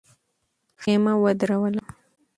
خېمه ودروله.